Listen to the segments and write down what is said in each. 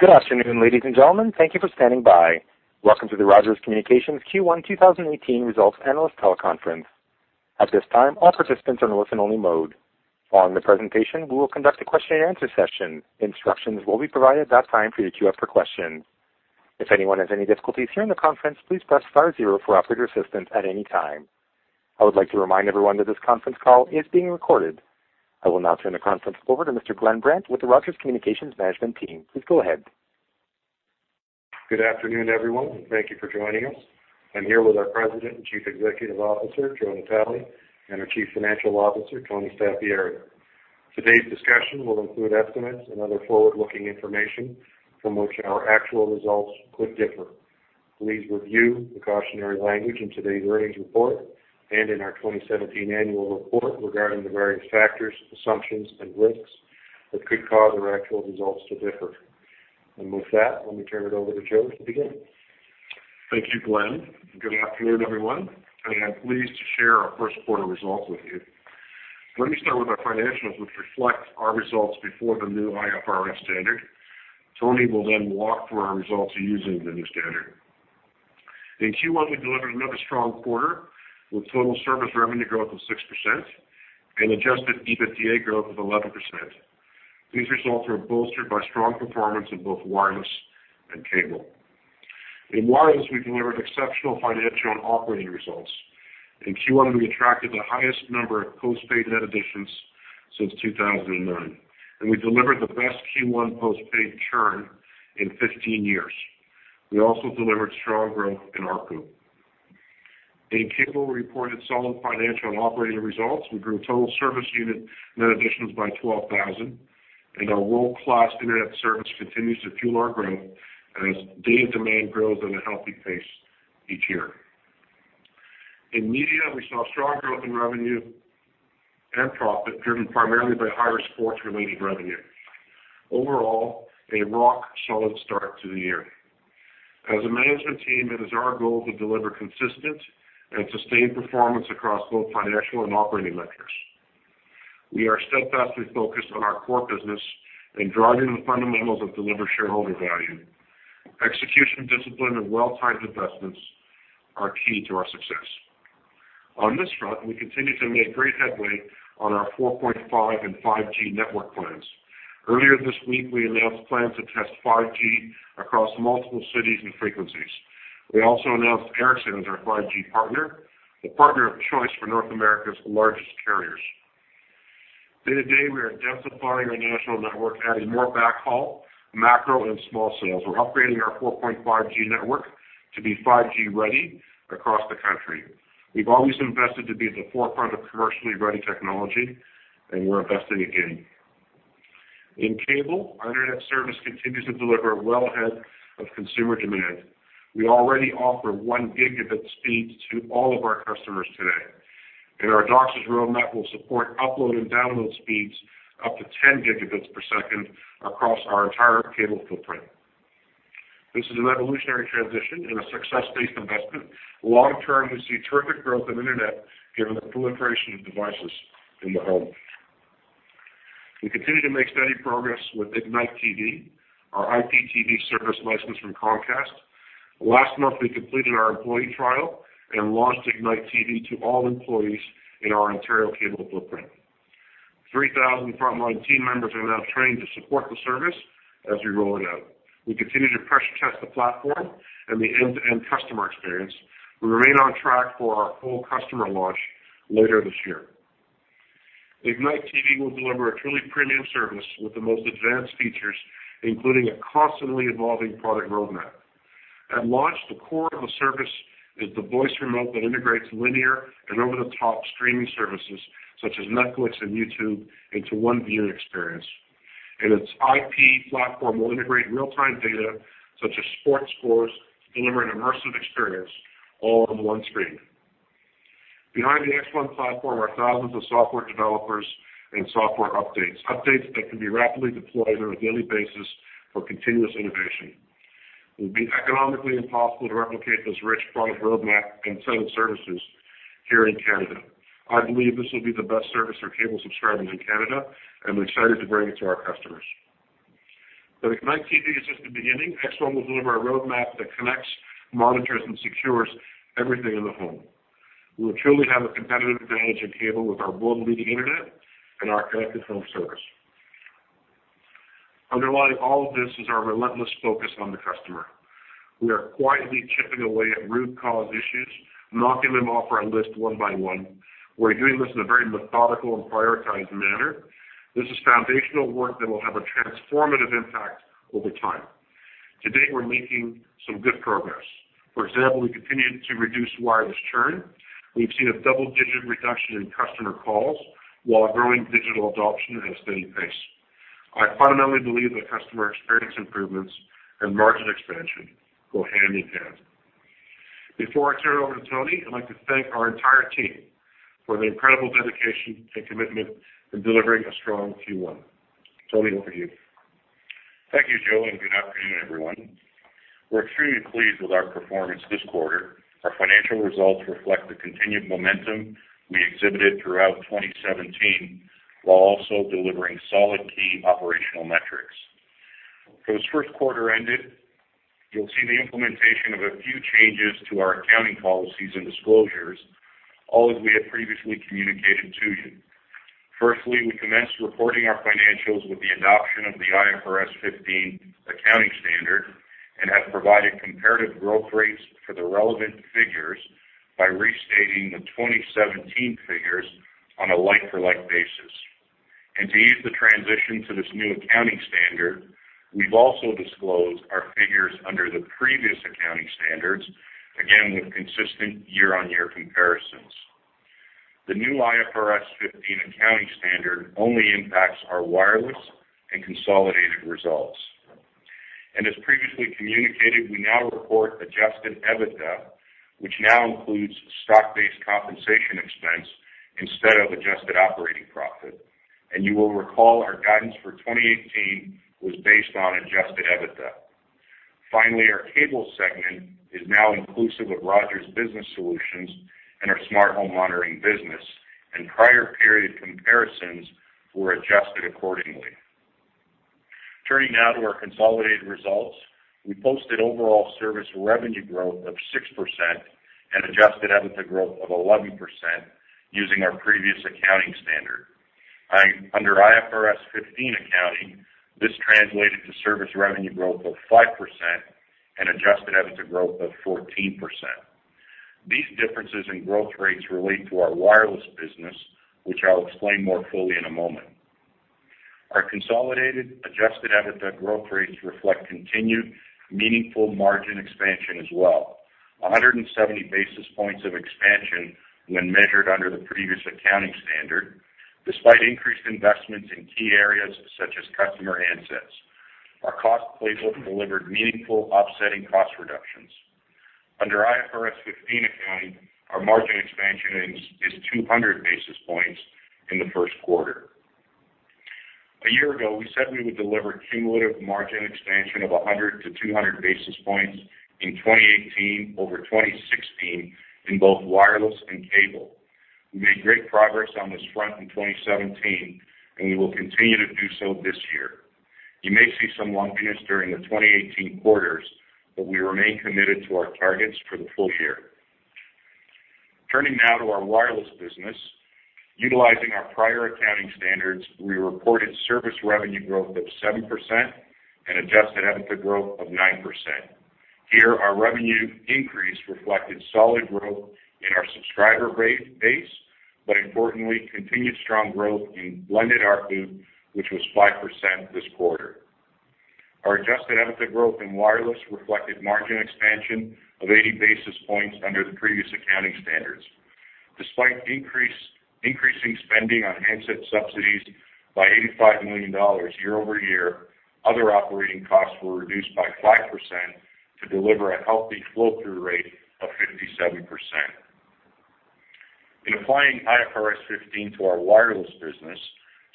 Good afternoon, ladies and gentlemen. Thank you for standing by. Welcome to the Rogers Communications Q1 2018 Results Analyst Teleconference. At this time, all participants are in listen-only mode. Following the presentation, we will conduct a question-and-answer session. Instructions will be provided at that time for you to queue up for questions. If anyone has any difficulties during the conference, please press star zero for operator assistance at any time. I would like to remind everyone that this conference call is being recorded. I will now turn the conference over to Mr. Glenn Brandt with the Rogers Communications management team. Please go ahead. Good afternoon, everyone, and thank you for joining us. I'm here with our President and Chief Executive Officer, Joe Natale, and our Chief Financial Officer, Tony Staffieri. Today's discussion will include estimates and other forward-looking information from which our actual results could differ. Please review the cautionary language in today's earnings report and in our 2017 annual report regarding the various factors, assumptions, and risks that could cause our actual results to differ. And with that, let me turn it over to Joe to begin. Thank you, Glenn, and good afternoon, everyone. I am pleased to share our first quarter results with you. Let me start with our financials, which reflect our results before the new IFRS standard. Tony will then walk through our results using the new standard. In Q1, we delivered another strong quarter, with total service revenue growth of 6% and adjusted EBITDA growth of 11%. These results are bolstered by strong performance in both wireless and cable. In wireless, we delivered exceptional financial and operating results. In Q1, we attracted the highest number of postpaid net additions since 2009, and we delivered the best Q1 postpaid churn in fifteen years. We also delivered strong growth in ARPU. In cable, we reported solid financial and operating results. We grew total service unit net additions by 12,000, and our world-class internet service continues to fuel our growth as data demand grows at a healthy pace each year. In media, we saw strong growth in revenue and profit, driven primarily by higher sports-related revenue. Overall, a rock-solid start to the year. As a management team, it is our goal to deliver consistent and sustained performance across both financial and operating metrics. We are steadfastly focused on our core business and driving the fundamentals that deliver shareholder value. Execution, discipline, and well-timed investments are key to our success. On this front, we continue to make great headway on our 4.5G and 5G network plans. Earlier this week, we announced plans to test 5G across multiple cities and frequencies. We also announced Ericsson as our 5G partner, the partner of choice for North America's largest carriers. Day-to-day, we are densifying our national network, adding more backhaul, macro, and small cells. We're upgrading our 4.5G network to be 5G ready across the country. We've always invested to be at the forefront of commercially ready technology, and we're investing again. In cable, our internet service continues to deliver well ahead of consumer demand. We already offer 1 Gb speeds to all of our customers today, and our DOCSIS road map will support upload and download speeds up to 10 Gb per second across our entire cable footprint. This is a revolutionary transition and a success-based investment. Long term, we see terrific growth in internet given the proliferation of devices in the home. We continue to make steady progress with Ignite TV, our IPTV service licensed from Comcast. Last month, we completed our employee trial and launched Ignite TV to all employees in our Ontario cable footprint. Three thousand frontline team members are now trained to support the service as we roll it out. We continue to pressure test the platform and the end-to-end customer experience. We remain on track for our full customer launch later this year. Ignite TV will deliver a truly premium service with the most advanced features, including a constantly evolving product roadmap. At launch, the core of the service is the voice remote that integrates linear and over-the-top streaming services, such as Netflix and YouTube, into one viewing experience. And its IP platform will integrate real-time data, such as sports scores, to deliver an immersive experience all on one screen. Behind the excellent platform are thousands of software developers and software updates, updates that can be rapidly deployed on a daily basis for continuous innovation. It would be economically impossible to replicate this rich product roadmap and set of services here in Canada. I believe this will be the best service for cable subscribers in Canada, and we're excited to bring it to our customers. But Ignite TV is just the beginning. X1 will deliver a roadmap that connects, monitors, and secures everything in the home. We will truly have a competitive advantage in cable with our world-leading internet and our connected home service. Underlying all of this is our relentless focus on the customer. We are quietly chipping away at root cause issues, knocking them off our list one by one. We're doing this in a very methodical and prioritized manner. This is foundational work that will have a transformative impact over time. To date, we're making some good progress. For example, we continued to reduce wireless churn. We've seen a double-digit reduction in customer calls, while growing digital adoption at a steady pace. I fundamentally believe that customer experience improvements and margin expansion go hand in hand. Before I turn it over to Tony, I'd like to thank our entire team for the incredible dedication and commitment in delivering a strong Q1. Tony, over to you. Thank you, Joe, and good afternoon, everyone. We're extremely pleased with our performance this quarter. Our financial results reflect the continued momentum we exhibited throughout 2017, while also delivering solid key operational metrics. For this first quarter ended, you'll see the implementation of a few changes to our accounting policies and disclosures, all as we had previously communicated to you. Firstly, we commenced reporting our financials with the adoption of the IFRS 15 accounting standard and have provided comparative growth rates for the relevant figures by restating the 2017 figures on a like-for-like basis. And to ease the transition to this new accounting standard, we've also disclosed our figures under the previous accounting standards, again, with consistent year-on-year comparisons. The new IFRS 15 accounting standard only impacts our wireless and consolidated results. And as previously communicated, we now report adjusted EBITDA, which now includes stock-based compensation expense instead of adjusted operating profit. And you will recall our guidance for 2018 was based on adjusted EBITDA. Finally, our cable segment is now inclusive of Rogers Business Solutions and our Smart Home Monitoring business, and prior period comparisons were adjusted accordingly. Turning now to our consolidated results. We posted overall service revenue growth of 6% and adjusted EBITDA growth of 11% using our previous accounting standard. Under IFRS 15 accounting, this translated to service revenue growth of 5% and adjusted EBITDA growth of 14%. These differences in growth rates relate to our wireless business, which I'll explain more fully in a moment. Our consolidated adjusted EBITDA growth rates reflect continued meaningful margin expansion as well. 100 basis points of expansion when measured under the previous accounting standard, despite increased investments in key areas such as customer handsets. Our cost playbook delivered meaningful offsetting cost reductions. Under IFRS 15 accounting, our margin expansion is 200 basis points in the first quarter. A year ago, we said we would deliver cumulative margin expansion of 100 to 200 basis points in 2018 over 2016 in both wireless and cable. We made great progress on this front in 2017, and we will continue to do so this year. You may see some lumpiness during the 2018 quarters, but we remain committed to our targets for the full year. Turning now to our wireless business. Utilizing our prior accounting standards, we reported service revenue growth of 7% and adjusted EBITDA growth of 9%. Here, our revenue increase reflected solid growth in our subscriber base, but importantly, continued strong growth in blended ARPU, which was 5% this quarter. Our adjusted EBITDA growth in wireless reflected margin expansion of 80 basis points under the previous accounting standards. Despite increasing spending on handset subsidies by 85 million dollars year over year, other operating costs were reduced by 5% to deliver a healthy flow-through rate of 57%. In applying IFRS 15 to our wireless business,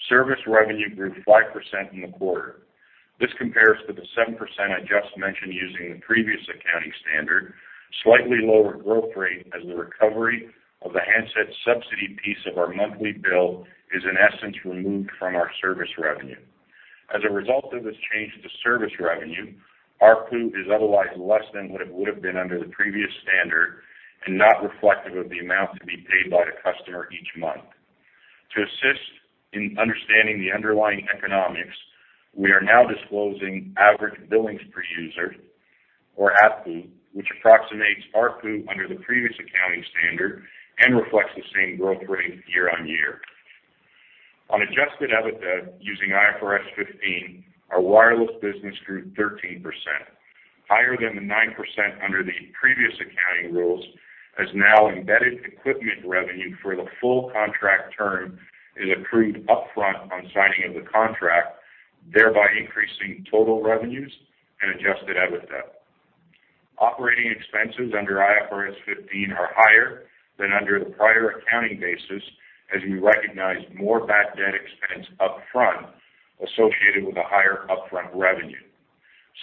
service revenue grew 5% in the quarter. This compares to the 7% I just mentioned using the previous accounting standard, slightly lower growth rate as the recovery of the handset subsidy piece of our monthly bill is in essence removed from our service revenue. As a result of this change to service revenue, ARPU is otherwise less than what it would have been under the previous standard and not reflective of the amount to be paid by the customer each month. To assist in understanding the underlying economics, we are now disclosing average billings per user or ABPU, which approximates ARPU under the previous accounting standard and reflects the same growth rate year on year. On adjusted EBITDA using IFRS 15, our wireless business grew 13%, higher than the 9% under the previous accounting rules, as now embedded equipment revenue for the full contract term is accrued upfront on signing of the contract, thereby increasing total revenues and adjusted EBITDA. Operating expenses under IFRS 15 are higher than under the prior accounting basis, as we recognize more bad debt expense upfront associated with a higher upfront revenue.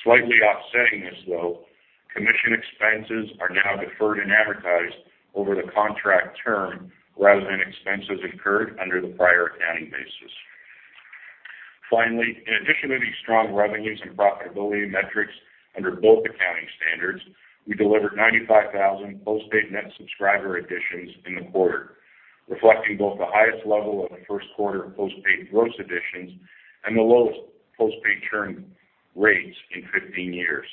Slightly offsetting this, though, commission expenses are now deferred and amortized over the contract term, rather than expenses incurred under the prior accounting basis. Finally, in addition to these strong revenues and profitability metrics under both accounting standards, we delivered 95,000 postpaid net subscriber additions in the quarter, reflecting both the highest level of the first quarter of postpaid gross additions and the lowest postpaid churn rates in 15 years.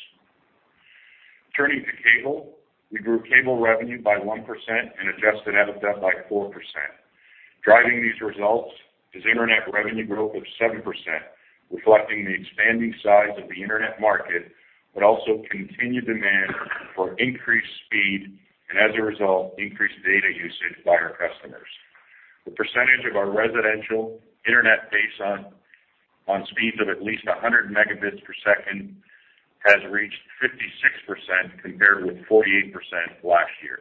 Turning to cable: We grew cable revenue by 1% and adjusted EBITDA by 4%. Driving these results is internet revenue growth of 7%, reflecting the expanding size of the internet market, but also continued demand for increased speed and as a result, increased data usage by our customers. The percentage of our residential internet base on speeds of at least 100 Mb per second has reached 56%, compared with 48% last year.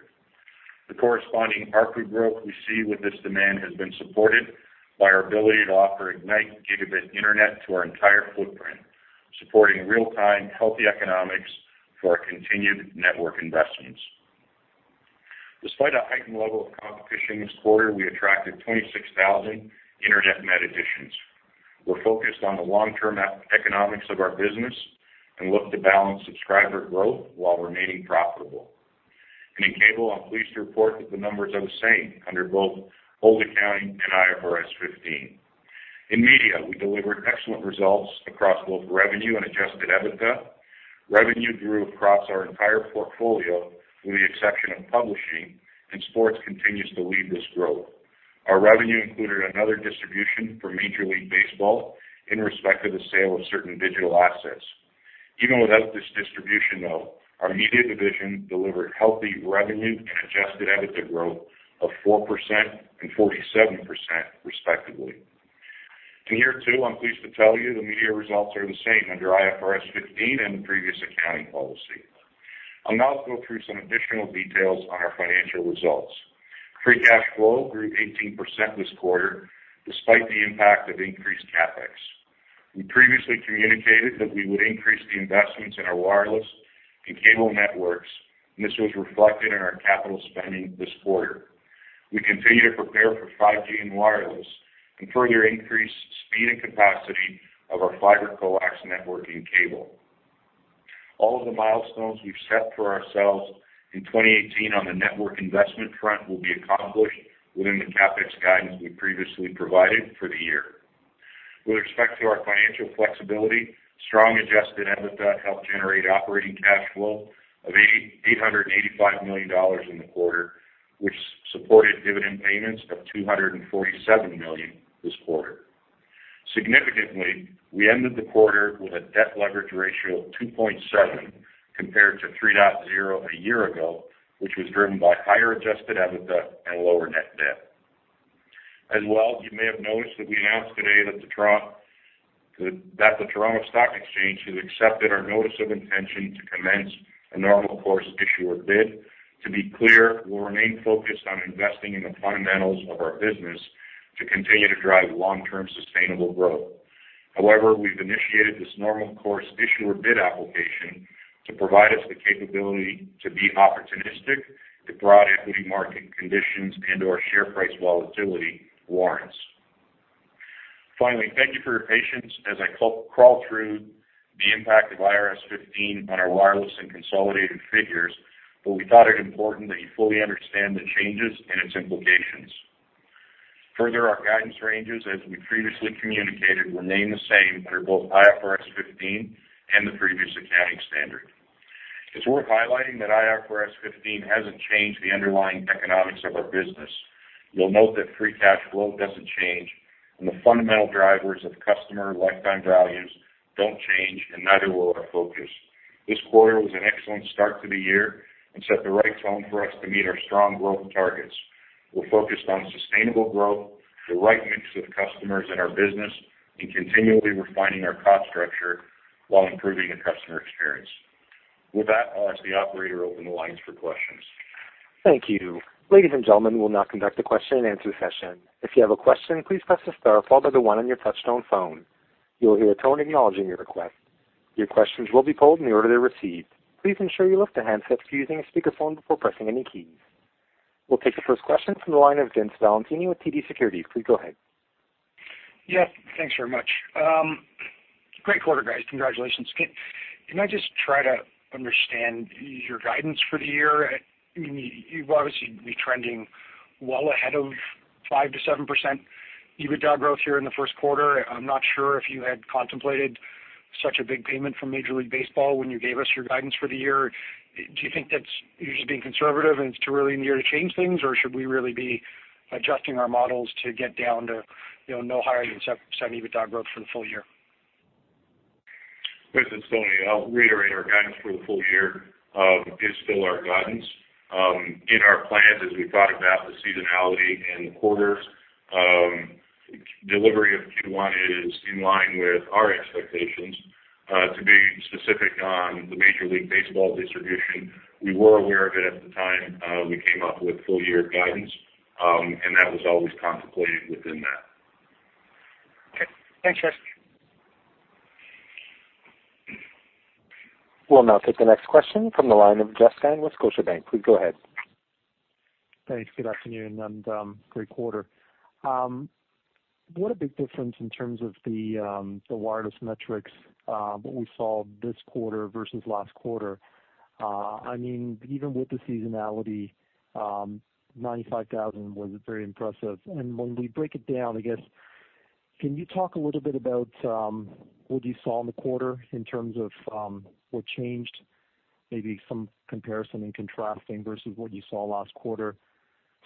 The corresponding ARPU growth we see with this demand has been supported by our ability to offer Ignite Gigabit Internet to our entire footprint, supporting real-time, healthy economics for our continued network investments. Despite a heightened level of competition this quarter, we attracted 26,000 internet net additions. We're focused on the long-term economics of our business and look to balance subscriber growth while remaining profitable. In cable, I'm pleased to report that the numbers are the same under both old accounting and IFRS 15. In media, we delivered excellent results across both revenue and adjusted EBITDA. Revenue grew across our entire portfolio, with the exception of publishing, and sports continues to lead this growth. Our revenue included another distribution for Major League Baseball in respect to the sale of certain digital assets. Even without this distribution, though, our media division delivered healthy revenue and adjusted EBITDA growth of 4% and 47%, respectively. And here, too, I'm pleased to tell you the media results are the same under IFRS 15 and the previous accounting policy. I'll now go through some additional details on our financial results. Free cash flow grew 18% this quarter, despite the impact of increased CapEx. We previously communicated that we would increase the investments in our wireless and cable networks, and this was reflected in our capital spending this quarter. We continue to prepare for 5G in wireless and further increase speed and capacity of our fiber coax network in cable. All of the milestones we've set for ourselves in 2018 on the network investment front will be accomplished within the CapEx guidance we previously provided for the year. With respect to our financial flexibility, strong adjusted EBITDA helped generate operating cash flow of 885 million dollars in the quarter, which supported dividend payments of 247 million this quarter. Significantly, we ended the quarter with a debt leverage ratio of 2.7, compared to 3.0 a year ago, which was driven by higher adjusted EBITDA and lower net debt. As well, you may have noticed that we announced today that the Toronto Stock Exchange has accepted our notice of intention to commence a normal course issuer bid. To be clear, we'll remain focused on investing in the fundamentals of our business to continue to drive long-term, sustainable growth. However, we've initiated this Normal Course Issuer Bid application to provide us the capability to be opportunistic if broad equity market conditions and/or share price volatility warrants. Finally, thank you for your patience as I crawled through the impact of IFRS 15 on our wireless and consolidated figures, but we thought it important that you fully understand the changes and its implications. Further, our guidance ranges, as we previously communicated, remain the same under both IFRS 15 and the previous accounting standard. It's worth highlighting that IFRS 15 hasn't changed the underlying economics of our business. You'll note that free cash flow doesn't change, and the fundamental drivers of customer lifetime values don't change, and neither will our focus. This quarter was an excellent start to the year and set the right tone for us to meet our strong growth targets. We're focused on sustainable growth, the right mix of customers in our business, and continually refining our cost structure while improving the customer experience. With that, I'll ask the operator to open the lines for questions. Thank you. Ladies and gentlemen, we'll now conduct a question-and-answer session. If you have a question, please press the star followed by the one on your touchtone phone. You will hear a tone acknowledging your request. Your questions will be polled in the order they're received. Please ensure you lift the handset before using a speakerphone before pressing any keys. We'll take the first question from the line of Vince Valentini with TD Securities. Please go ahead. Yes, thanks very much. Great quarter, guys. Congratulations. Can I just try to understand your guidance for the year? I mean, you obviously are trending well ahead of 5%-7% EBITDA growth here in the first quarter. I'm not sure if you had contemplated such a big payment from Major League Baseball when you gave us your guidance for the year. Do you think that's you just being conservative, and it's too early in the year to change things? Or should we really be adjusting our models to get down to, you know, no higher than 7% EBITDA growth for the full year? Vince, it's Tony. I'll reiterate, our guidance for the full year is still our guidance. In our plans, as we thought about the seasonality in the quarters, delivery of Q1 is in line with our expectations. To be specific on the Major League Baseball distribution, we were aware of it at the time, we came up with full year guidance, and that was always contemplated within that. Okay. Thanks, guys. We'll now take the next question from the line of Jeff Fan with Scotiabank. Please go ahead. Thanks. Good afternoon, and great quarter. What a big difference in terms of the wireless metrics that we saw this quarter versus last quarter. I mean, even with the seasonality, 95,000 was very impressive. And when we break it down, I guess, can you talk a little bit about what you saw in the quarter in terms of what changed? Maybe some comparison and contrasting versus what you saw last quarter,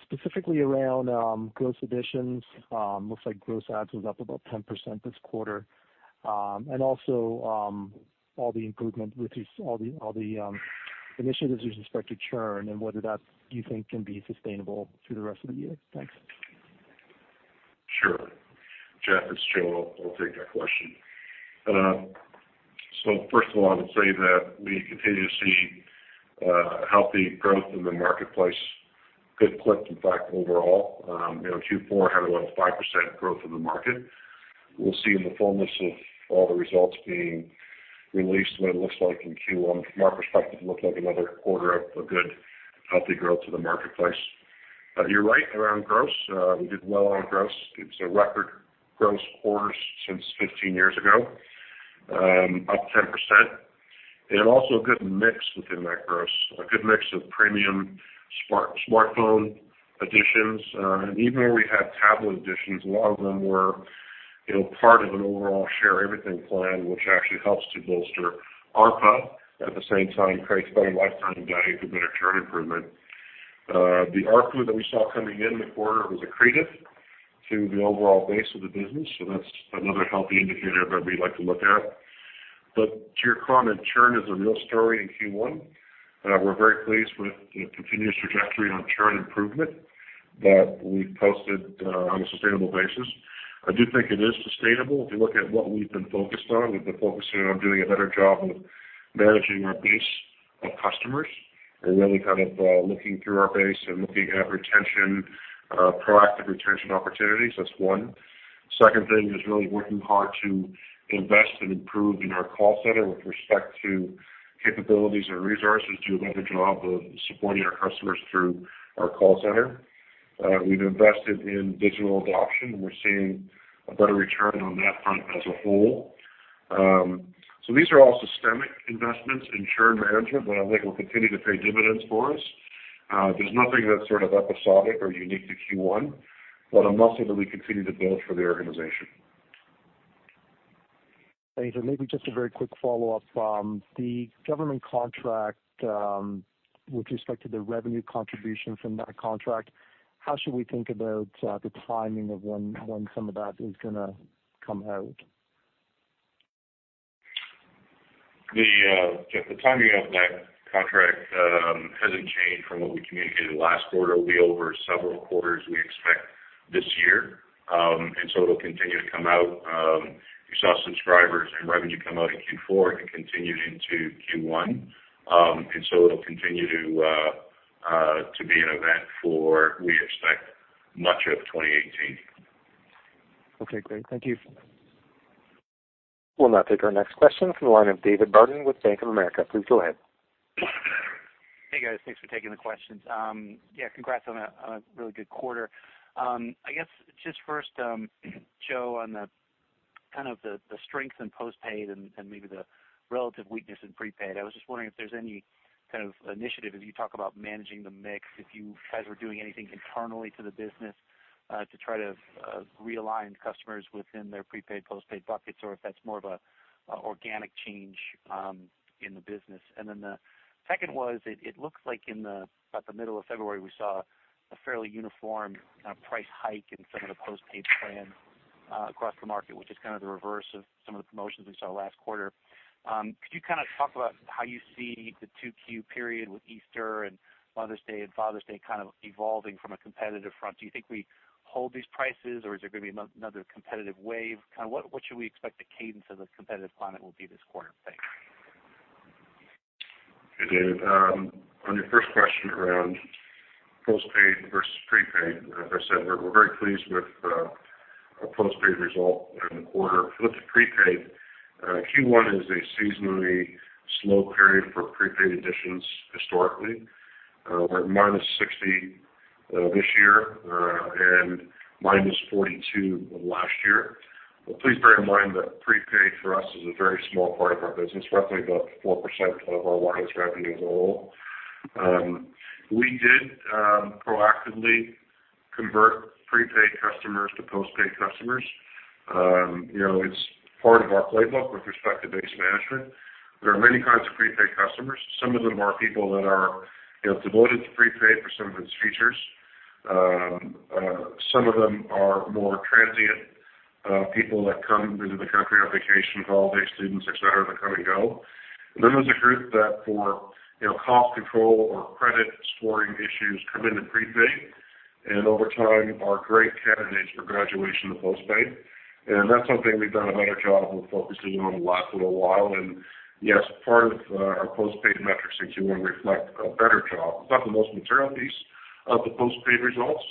specifically around gross additions. Looks like gross adds was up about 10% this quarter. And also all the improvement with these all the initiatives with respect to churn, and whether that, you think, can be sustainable through the rest of the year. Thanks. Sure. Jeff, it's Joe. I'll take that question. So first of all, I would say that we continue to see healthy growth in the marketplace, good clip, in fact, overall. You know, Q4 had about a 5% growth in the market. We'll see in the fullness of all the results being released what it looks like in Q1. From our perspective, it looked like another quarter of a good, healthy growth to the marketplace. You're right around gross. We did well on gross. It's a record gross quarter since fifteen years ago, up 10%, and also a good mix within that gross. A good mix of premium smartphone additions, and even where we had tablet additions, a lot of them were, you know, part of an overall Share Everything plan, which actually helps to bolster ARPU. At the same time, creates better lifetime value for better churn improvement. The ARPU that we saw coming in the quarter was accretive to the overall base of the business, so that's another healthy indicator that we like to look at. But to your comment, churn is a real story in Q1. We're very pleased with the continuous trajectory on churn improvement that we've posted on a sustainable basis. I do think it is sustainable. If you look at what we've been focused on, we've been focusing on doing a better job of managing our base of customers and really kind of looking through our base and looking at retention, proactive retention opportunities, that's one. Second thing is really working hard to invest and improve in our call center with respect to capabilities and resources, do a better job of supporting our customers through our call center. We've invested in digital adoption. We're seeing a better return on that front as a whole. So these are all systemic investments in churn management that I think will continue to pay dividends for us. There's nothing that's sort of episodic or unique to Q1, but a muscle that we continue to build for the organization. Thanks, and maybe just a very quick follow-up. The government contract, with respect to the revenue contribution from that contract, how should we think about the timing of when some of that is gonna come out? The timing of that contract hasn't changed from what we communicated last quarter. It'll be over several quarters we expect this year, and so it'll continue to come out. You saw subscribers and revenue come out in Q4 and continue into Q1, and so it'll continue to be an event for, we expect, much of 2018. Okay, great. Thank you. We'll now take our next question from the line of David Barden with Bank of America. Please go ahead. Hey, guys. Thanks for taking the questions. Yeah, congrats on a really good quarter. I guess, just first, Joe, on the kind of strength in postpaid and maybe the relative weakness in prepaid, I was just wondering if there's any kind of initiative, as you talk about managing the mix, if you guys are doing anything internally to the business to try to realign customers within their prepaid, postpaid buckets, or if that's more of a organic change in the business? And then the second was, it looks like in about the middle of February, we saw a fairly uniform kind of price hike in some of the postpaid plans across the market, which is kind of the reverse of some of the promotions we saw last quarter. Could you kind of talk about how you see the 2Q period with Easter and Mother's Day and Father's Day kind of evolving from a competitive front? Do you think we hold these prices, or is there gonna be another competitive wave? Kind of what should we expect the cadence of the competitive climate will be this quarter? Thanks. Hey, David. On your first question around postpaid versus prepaid, as I said, we're very pleased with our postpaid result in the quarter. If you look at prepaid, Q1 is a seasonally slow period for prepaid additions historically. We're at minus 60 this year and minus 42 last year. But please bear in mind that prepaid for us is a very small part of our business, roughly about 4% of our wireless revenue as a whole. We did proactively convert prepaid customers to postpaid customers. You know, it's part of our playbook with respect to base management. There are many kinds of prepaid customers. Some of them are people that are, you know, devoted to prepaid for some of its features. Some of them are more transient, people that come into the country on vacation, holiday, students, et cetera, that come and go. And then there's a group that for, you know, cost control or credit scoring issues, come into prepaid, and over time are great candidates for graduation to postpaid. And that's something we've done a better job of focusing on the last little while. And yes, part of our postpaid metrics in Q1 reflect a better job. It's not the most material piece of the postpaid results,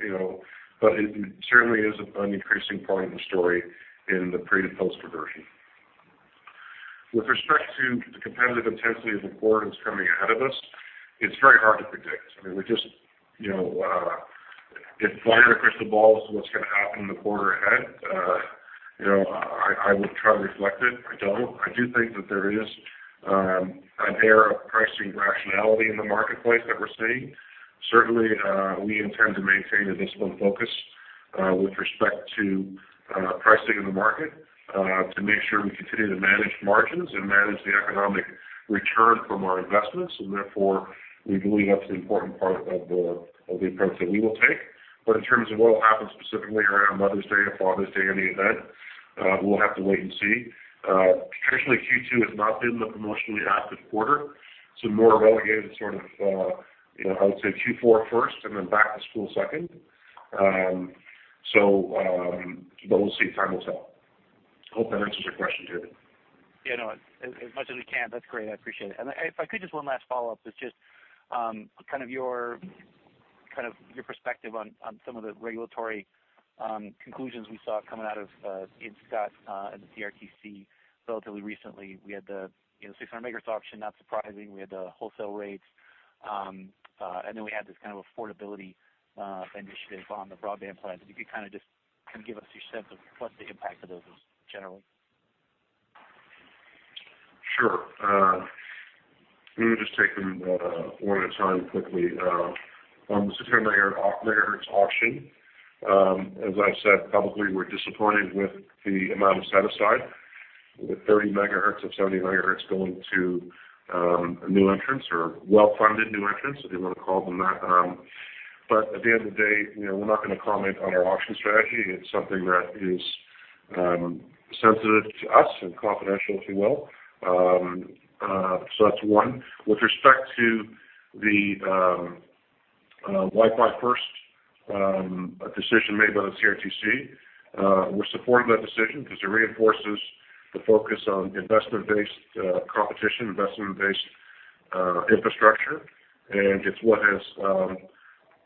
you know, but it certainly is an increasing part of the story in the pre to post conversion. With respect to the competitive intensity of the quarter that's coming ahead of us, it's very hard to predict. I mean, we just, you know, if I had a crystal ball as to what's gonna happen in the quarter ahead, you know, I, I would try to reflect it. I don't. I do think that there is an air of pricing rationality in the marketplace that we're seeing. Certainly, we intend to maintain a disciplined focus with respect to pricing in the market to make sure we continue to manage margins and manage the economic return from our investments. And therefore, we believe that's an important part of the approach that we will take. But in terms of what will happen specifically around Mother's Day or Father's Day, we'll have to wait and see. Traditionally, Q2 has not been the promotionally active quarter, so more relegated sort of, you know, I would say Q4 first and then back to school second. So, but we'll see. Time will tell. I hope that answers your question, David. Yeah, no, as much as we can. That's great. I appreciate it. And if I could, just one last follow-up is just kind of your kind of your perspective on some of the regulatory conclusions we saw coming out of Ian Scott and the CRTC relatively recently. We had the, you know, 600 MHz auction, not surprising. We had the wholesale rates and then we had this kind of affordability initiative on the broadband plan. If you could kind of just kind of give us your sense of what the impact of those is, generally. Sure. Let me just take them one at a time quickly. On the 600 MHz auction, as I've said, publicly, we're disappointed with the amount of set aside, with 30 MHz of 70 MHz going to a new entrants or well-funded new entrants, if you want to call them that. But at the end of the day, you know, we're not gonna comment on our auction strategy. It's something that is sensitive to us and confidential, if you will. So that's one. With respect to the Wi-Fi First, a decision made by the CRTC, we're supporting that decision because it reinforces the focus on investment-based competition, investment-based infrastructure. It's what has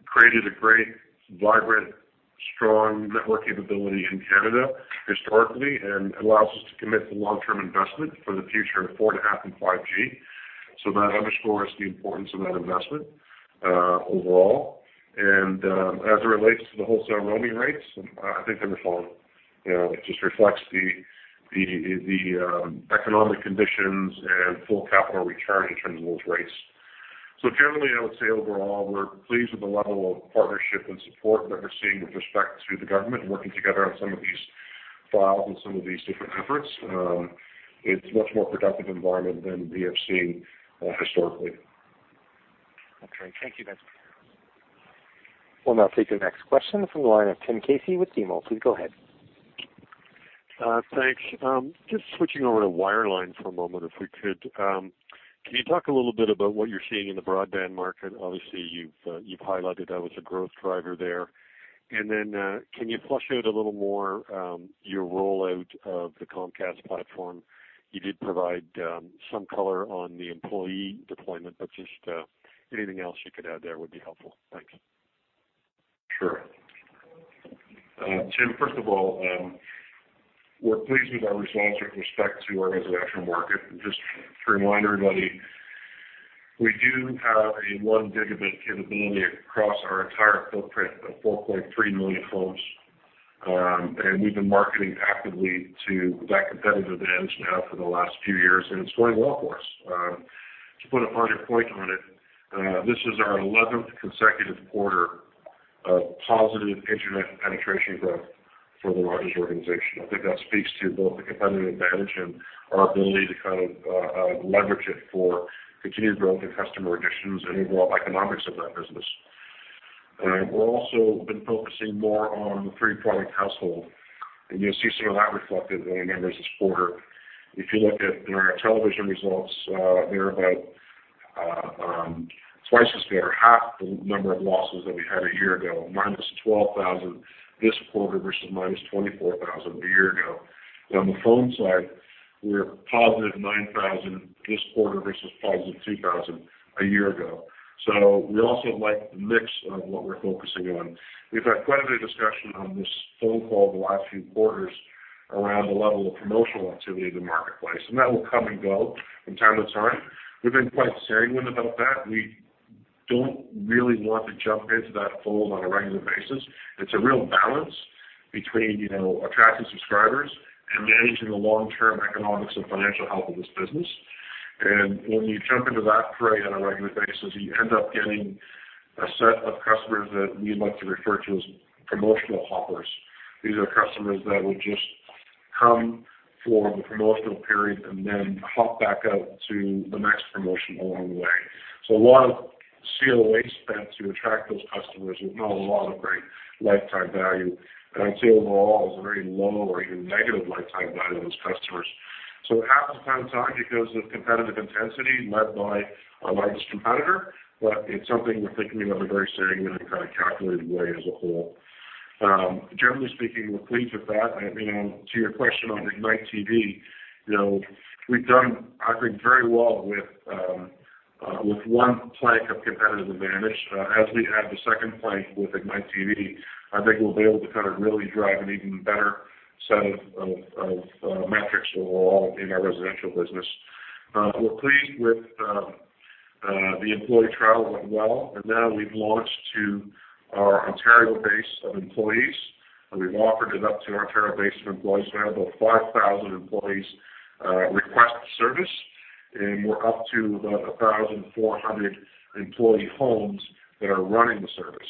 created a great, vibrant, strong network capability in Canada historically, and allows us to commit to long-term investment for the future of 4.5G and 5G. That underscores the importance of that investment overall. As it relates to the wholesale roaming rates, I think they're fine. You know, it just reflects the economic conditions and full capital return in terms of those rates. Generally, I would say overall, we're pleased with the level of partnership and support that we're seeing with respect to the government working together on some of these files and some of these different efforts. It's a much more productive environment than we have seen historically. Okay, thank you, guys. We'll now take the next question from the line of Tim Casey with BMO. Please go ahead. Thanks. Just switching over to wireline for a moment, if we could. Can you talk a little bit about what you're seeing in the broadband market? Obviously, you've highlighted that was a growth driver there. And then, can you flesh out a little more your rollout of the Comcast platform? You did provide some color on the employee deployment, but just anything else you could add there would be helpful. Thanks. Sure. Tim, first of all, we're pleased with our results with respect to our residential market. Just to remind everybody, we do have a 1 Gb capability across our entire footprint of 4.3 million homes, and we've been marketing actively to that competitive edge now for the last few years, and it's going well for us. To put a harder point on it, this is our eleventh consecutive quarter of positive internet penetration growth for the largest organization. I think that speaks to both the competitive advantage and our ability to kind of, leverage it for continued growth and customer additions and the overall economics of that business. We're also been focusing more on the three-product household, and you'll see some of that reflected in our numbers this quarter. If you look at our television results, they're about twice as better, half the number of losses that we had a year ago, -12,000 this quarter versus -24,000 a year ago. On the phone side, we're +9,000 this quarter versus +2,000 a year ago. So we also like the mix of what we're focusing on. We've had quite a bit of discussion on this phone call the last few quarters around the level of promotional activity in the marketplace, and that will come and go from time to time. We've been quite serene about that. We don't really want to jump into that fold on a regular basis. It's a real balance between, you know, attracting subscribers and managing the long-term economics and financial health of this business. And when you jump into that fray on a regular basis, you end up getting a set of customers that we like to refer to as promotional hoppers. These are customers that will just come for the promotional period and then hop back out to the next promotion along the way. So a lot of COA spent to attract those customers with not a lot of great lifetime value. And I'd say overall, it's a very low or even negative lifetime value of those customers. So it happens from time to time because of competitive intensity led by our largest competitor, but it's something we're thinking about in a very strategic and kind of calculated way as a whole. Generally speaking, we're pleased with that. You know, to your question on Ignite TV, you know, we've done, I think, very well with one plank of competitive advantage. As we add the second plank with Ignite TV, I think we'll be able to kind of really drive an even better set of metrics overall in our residential business. We're pleased with the employee trial went well, and now we've launched to our Ontario base of employees, and we've offered it up to our Ontario base of employees. We have about 5,000 employees request the service, and we're up to about 1,400 employee homes that are running the service.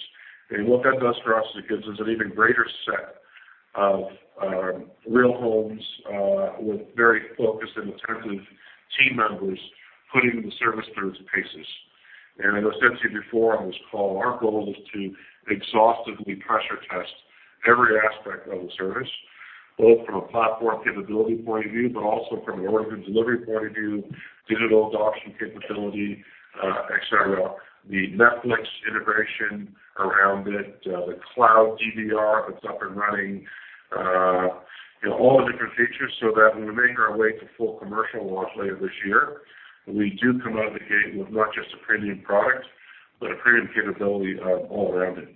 What that does for us, it gives us an even greater set of real homes with very focused and attentive team members putting the service through its paces. And I said to you before on this call, our goal is to exhaustively pressure test every aspect of the service, both from a platform capability point of view, but also from an origin delivery point of view, digital adoption capability, et cetera. The Netflix integration around it, the cloud DVR that's up and running, you know, all the different features so that when we make our way to full commercial launch later this year, we do come out of the gate with not just a premium product, but a premium capability, all around it.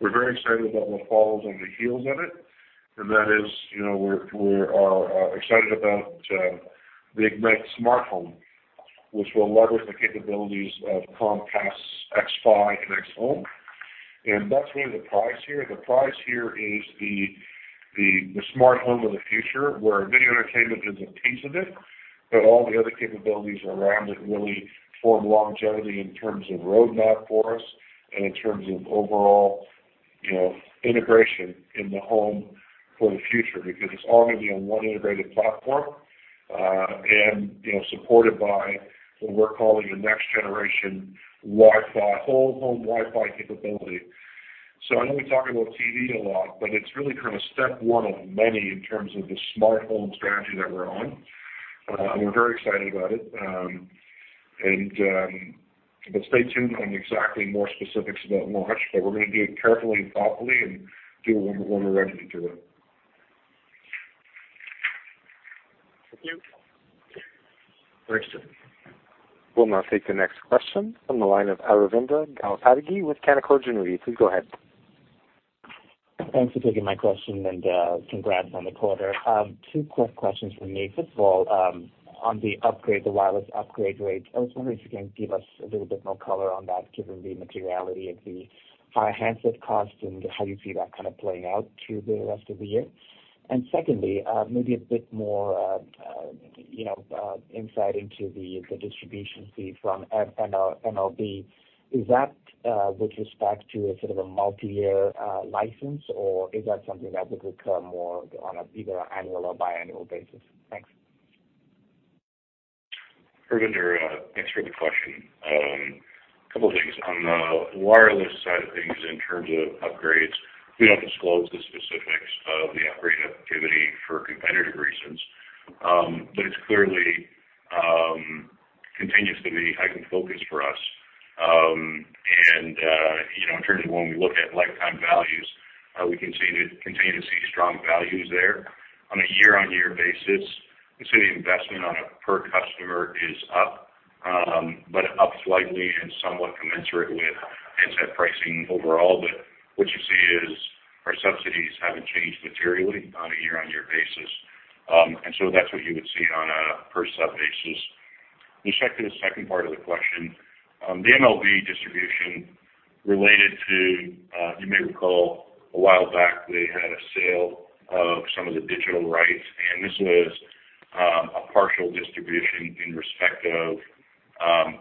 We're very excited about what follows on the heels of it, and that is, you know, we're excited about the Ignite Smart Home, which will leverage the capabilities of Comcast xFi and XHome. And that's really the prize here. The prize here is the smart home of the future, where video entertainment is a piece of it, but all the other capabilities around it really form longevity in terms of roadmap for us and in terms of overall, you know, integration in the home for the future, because it's all going to be on one integrated platform, and, you know, supported by what we're calling the next generation Wi-Fi, whole home Wi-Fi capability. So I know we talk about TV a lot, but it's really kind of step one of many in terms of the smart home strategy that we're on, and we're very excited about it, but stay tuned on exactly more specifics about launch, but we're going to do it carefully and thoughtfully and do it when we're ready to do it. Thank you. Christian? We'll now take the next question from the line of Aravinda Galappatti with Canaccord Genuity. Please go ahead. Thanks for taking my question, and congrats on the quarter. Two quick questions from me. First of all, on the upgrade, the wireless upgrade rate, I was wondering if you can give us a little bit more color on that, given the materiality of the higher handset costs and how you see that kind of playing out through the rest of the year. And secondly, maybe a bit more, you know, insight into the distribution fee from MLB. Is that with respect to a sort of a multiyear license, or is that something that would occur more on an either annual or biannual basis? Thanks. Aravinda, thanks for the question. A couple of things. On the wireless side of things, in terms of upgrades, we don't disclose the specifics of the upgrade activity for competitive reasons, but it clearly continues to be a heightened focus for us. And you know, in terms of when we look at lifetime values, we continue to see strong values there. On a year-on-year basis, I'd say the investment on a per customer is up, but up slightly and somewhat commensurate with handset pricing overall. But what you see is our subsidies haven't changed materially on a year-on-year basis. And so that's what you would see on a per sub basis. With respect to the second part of the question, the MLB distribution related to, you may recall a while back, they had a sale of some of the digital rights, and this was a partial distribution in respect of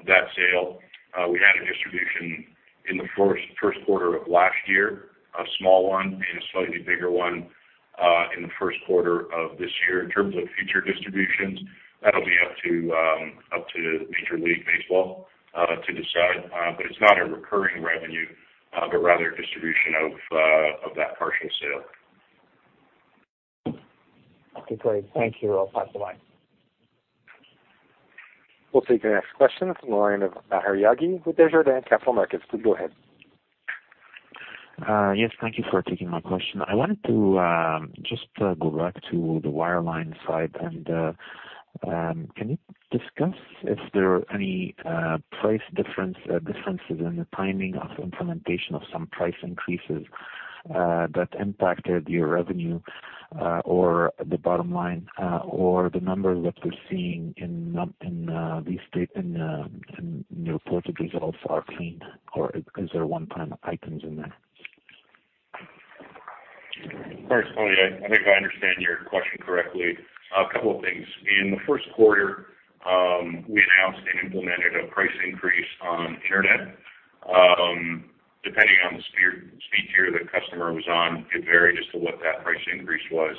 that sale. We had a distribution in the first quarter of last year, a small one, and a slightly bigger one in the first quarter of this year. In terms of future distributions, that'll be up to up to Major League Baseball to decide, but it's not a recurring revenue, but rather a distribution of that partial sale. Okay, great. Thank you. I'll pass the line. We'll take the next question from the line of Maher Yaghi with Desjardins Capital Markets. Please go ahead. Yes, thank you for taking my question. I wanted to just go back to the wireline side, and can you discuss if there are any price differences in the timing of implementation of some price increases that impacted your revenue or the bottom line or the numbers that we're seeing in these statements, you know, reported results are clean, or is there one-time items in there? First, Tony, I think if I understand your question correctly, a couple of things. In the first quarter, we announced and implemented a price increase on internet. Depending on the speed tier the customer was on, it varied as to what that price increase was.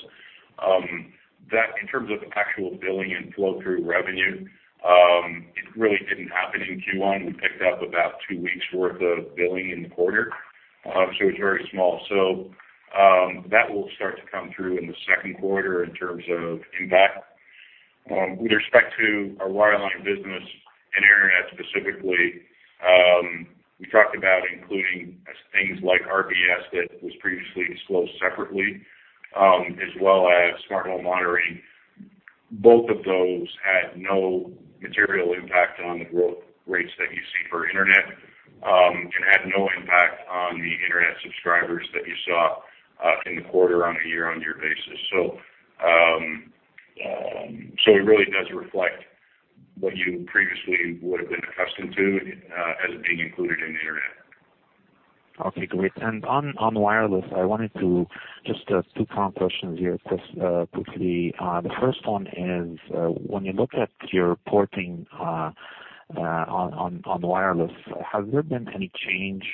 That in terms of actual billing and flow-through revenue, it really didn't happen in Q1. We picked up about two weeks worth of billing in the quarter, so it's very small, so that will start to come through in the second quarter in terms of impact. With respect to our wireline business and internet specifically, we talked about including things like RBS, that was previously disclosed separately, as well as Smart Home Monitoring. Both of those had no material impact on the growth rates that you see for internet, and had no impact on the internet subscribers that you saw in the quarter on a year-on-year basis. So it really does reflect what you previously would have been accustomed to, as being included in the internet. Okay, great. And on wireless, I wanted to just two quick questions here, just quickly. The first one is, when you look at your porting on wireless, has there been any change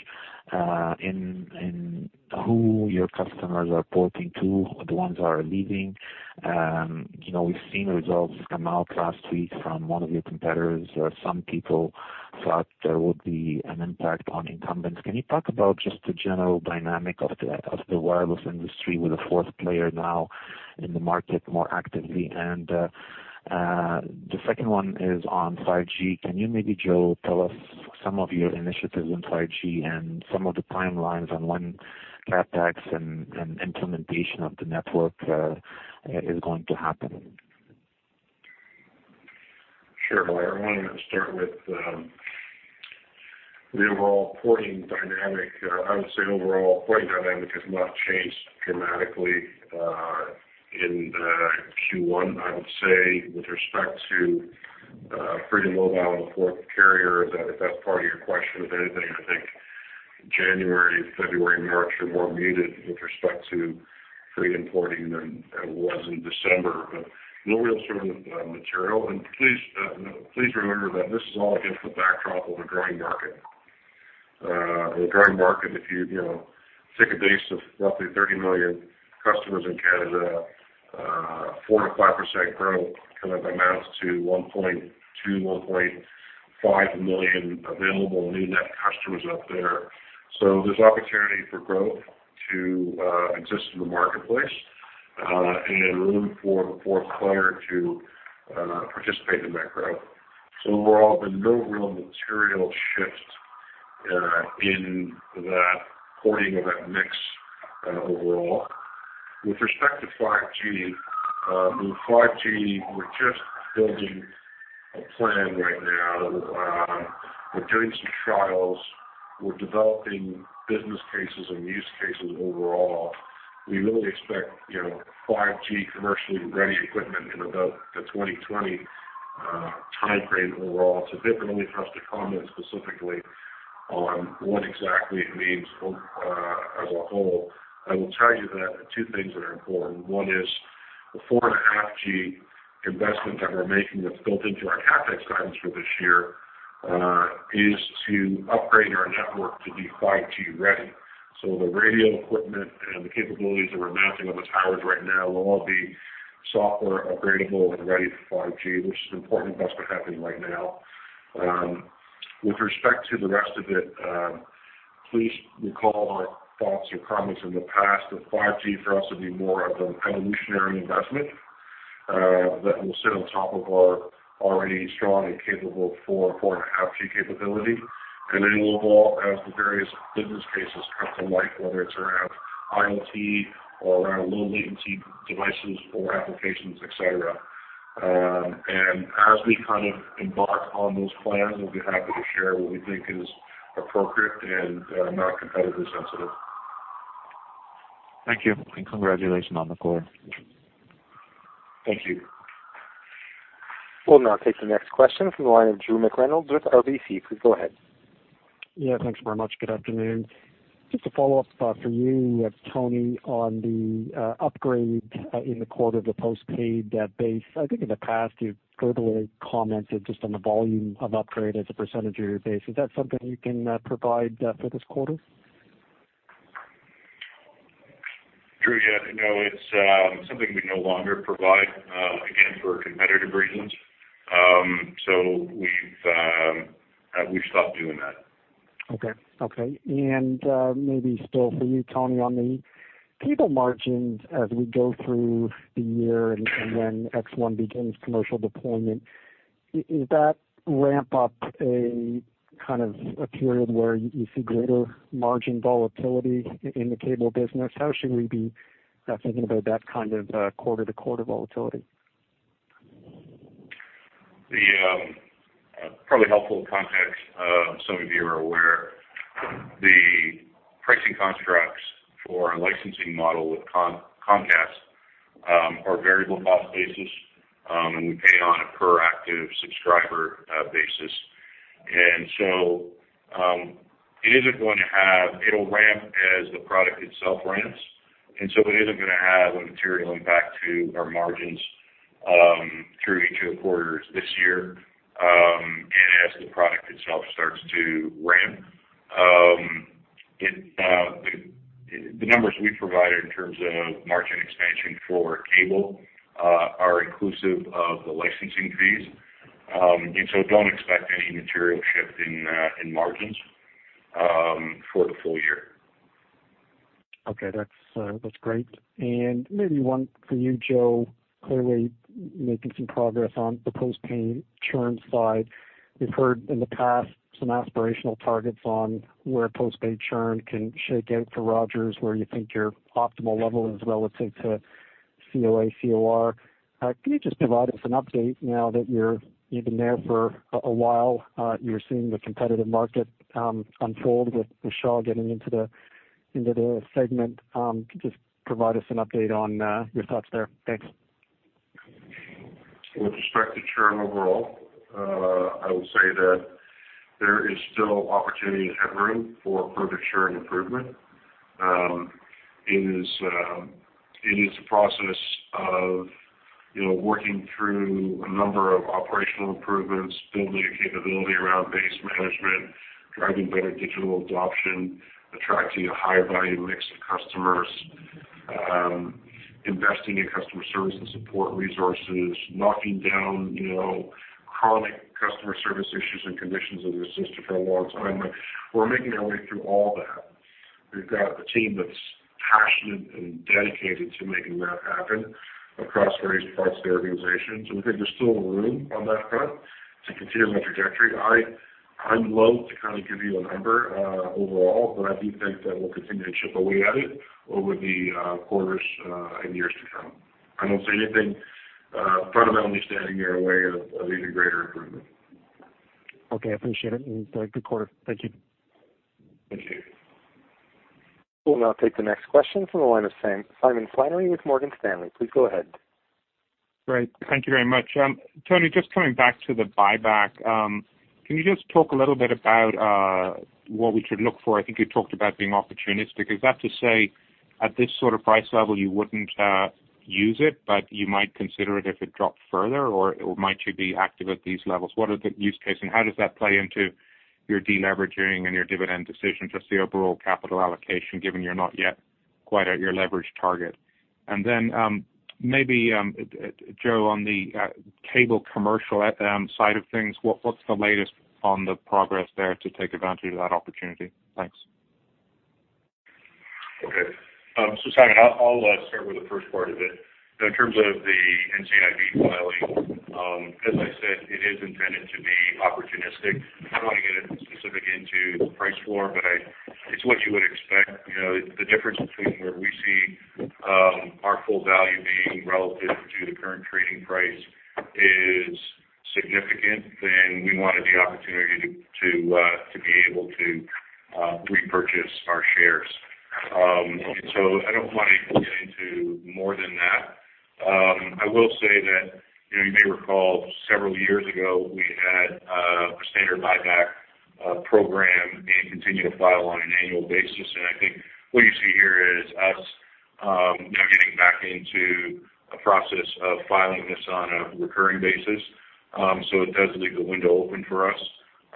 in who your customers are porting to, the ones that are leaving. You know, we've seen results come out last week from one of your competitors, where some people thought there would be an impact on incumbents. Can you talk about just the general dynamic of the wireless industry with a fourth player now in the market more actively? And the second one is on 5G. Can you maybe, Joe, tell us some of your initiatives on 5G and some of the timelines on when CapEx and implementation of the network is going to happen? Sure, well, I want to start with the overall porting dynamic. I would say overall porting dynamic has not changed dramatically in Q1. I would say with respect to Freedom Mobile and the fourth carrier, that if that's part of your question, if anything, I think January, February, March are more muted with respect to Freedom porting than it was in December. But no real sort of material. And please remember that this is all against the backdrop of a growing market. In a growing market, if you, you know, take a base of roughly 30 million customers in Canada, 4%-5% growth kind of amounts to 1.2-1.5 million available new net customers out there. So there's opportunity for growth to exist in the marketplace, and room for the fourth player to participate in that growth. So overall, there's no real material shift in that porting of that mix overall. With respect to 5G, with 5G, we're just building a plan right now. We're doing some trials. We're developing business cases and use cases overall. We really expect, you know, 5G commercially ready equipment in about the 2020 time frame overall. So difficult for us to comment specifically on what exactly it means as a whole. I will tell you that two things that are important. One is the 4.5G investment that we're making, that's built into our CapEx guidance for this year is to upgrade our network to be 5G ready. So the radio equipment and the capabilities that we're mounting on the towers right now will all be software upgradable and ready for 5G, which is an important investment happening right now. With respect to the rest of it, please recall our thoughts or comments in the past, that 5G for us will be more of an evolutionary investment, that will sit on top of our already strong and capable 4G, 4.5G capability, and it will evolve as the various business cases come to light, whether it's around IoT or around low latency devices or applications, et cetera. And as we kind of embark on those plans, we'll be happy to share what we think is appropriate and, not competitively sensitive. Thank you, and congratulations on the quarter. Thank you. We'll now take the next question from the line of Drew McReynolds with RBC. Please go ahead. Yeah, thanks very much. Good afternoon. Just a follow-up for you, Tony, on the upgrade in the quarter of the postpaid base. I think in the past, you've globally commented just on the volume of upgrade as a percentage of your base. Is that something you can provide for this quarter? Drew, yeah, no, it's something we no longer provide, again, for competitive reasons, so we've stopped doing that. Okay, okay. And, maybe still for you, Tony, on the cable margins as we go through the year and when X1 begins commercial deployment, is that ramp up a kind of a period where you see greater margin volatility in the cable business? How should we be thinking about that kind of quarter-to-quarter volatility? Probably helpful context, some of you are aware, the pricing constructs for our licensing model with Comcast are variable cost basis, and we pay on a per active subscriber basis, and so it isn't going to have, it'll ramp as the product itself ramps, and so it isn't gonna have a material impact to our margins through each of the quarters this year, and as the product itself starts to ramp, it the numbers we provide in terms of margin expansion for cable are inclusive of the licensing fees, and so don't expect any material shift in margins for the full year. Okay, that's great. And maybe one for you, Joe. Clearly making some progress on the postpaid churn side. We've heard in the past some aspirational targets on where postpaid churn can shake out for Rogers, where you think your optimal level is relative to COA, COR. Can you just provide us an update now that you're, you've been there for a while, you're seeing the competitive market unfold with Shaw getting into the segment? Could you just provide us an update on your thoughts there? Thanks. With respect to churn overall, I will say that there is still opportunity and room for further churn improvement. It is a process of, you know, working through a number of operational improvements, building a capability around base management, driving better digital adoption, attracting a higher value mix of customers, investing in customer service and support resources, knocking down, you know, chronic customer service issues and conditions that have existed for a long time, but we're making our way through all that. We've got a team that's passionate and dedicated to making that happen across various parts of the organization, so we think there's still room on that front to continue that trajectory. I'd love to kind of give you a number overall, but I do think that we'll continue to chip away at it over the quarters and years to come. I don't see anything fundamentally standing in our way of even greater improvement. Okay, I appreciate it, and, good quarter. Thank you. Thank you. We'll now take the next question from the line of Simon Flannery with Morgan Stanley. Please go ahead. Great, thank you very much. Tony, just coming back to the buyback. Can you just talk a little bit about what we should look for? I think you talked about being opportunistic. Is that to say, at this sort of price level, you wouldn't use it, but you might consider it if it dropped further? Or might you be active at these levels? What are the use case, and how does that play into your deleveraging and your dividend decision, just the overall capital allocation, given you're not yet quite at your leverage target? And then, maybe, Joe, on the cable commercial side of things, what's the latest on the progress there to take advantage of that opportunity? Thanks. Okay. So Simon, I'll start with the first part of it. In terms of the NCIB filing, as I said, it is intended to be opportunistic. I don't want to get specific into price where, but it's what you would expect. You know, the difference between where we see our full value being relative to the current trading price is significant, and we wanted the opportunity to be able to repurchase our shares. And so I don't want to get into more than that. I will say that, you know, you may recall several years ago, we had a standard buyback program and continued to file on an annual basis. And I think what you see here is us you know, getting back into a process of filing this on a recurring basis. So it does leave the window open for us,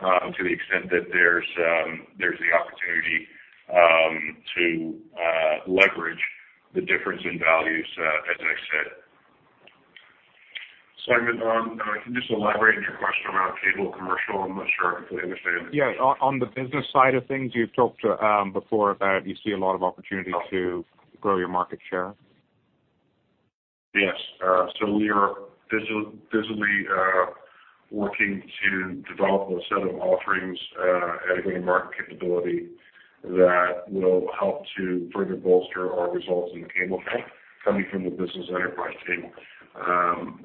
to the extent that there's the opportunity, to leverage the difference in values, as I said. Simon, can you just elaborate on your question around cable commercial? I'm not sure I completely understand it. Yeah, on the business side of things, you've talked before about you see a lot of opportunity to grow your market share. Yes. So we are visibly working to develop a set of offerings and a go-to-market capability that will help to further bolster our results in the cable front, coming from the business enterprise team.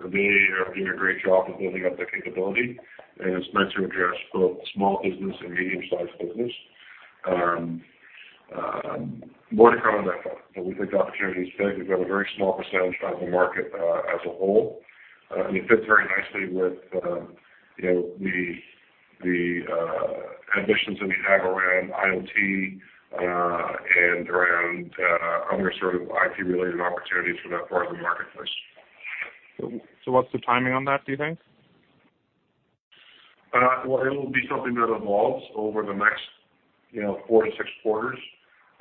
They are doing a great job of building up the capability, and it's meant to address both small business and medium-sized business. More to come on that front, but we think the opportunity is big. We've got a very small percentage of the market as a whole. And it fits very nicely with you know the ambitions that we have around IoT and around other sort of IT-related opportunities for that part of the marketplace. So what's the timing on that, do you think? Well, it'll be something that evolves over the next, you know, four to six quarters.